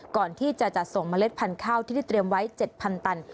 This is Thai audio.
ก่อนที่จะจัดส่งเมล็ดพันธุ์ข้าวที่ได้เตรียมไว้๗๐๐ตัน